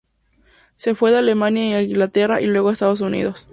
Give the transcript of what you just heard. Se fue de Alemania a Inglaterra y luego a Estados Unidos.